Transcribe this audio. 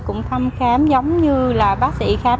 cũng thăm khám giống như là bác sĩ khám